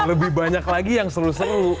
lebih banyak lagi yang seru seru